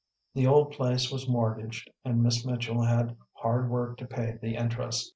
The old place was mortgaged, and Miss Mitchell had hard work to pay the interest.